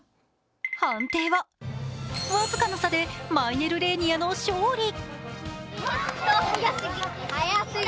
判定は、僅かの差でマイネルレーニアの勝利。